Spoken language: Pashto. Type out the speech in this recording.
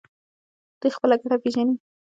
دوی خپله ګټه پیژني.